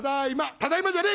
「『ただいま』じゃねえ